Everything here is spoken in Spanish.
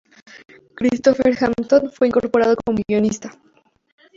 Christopher Hampton fue incorporado como guionista.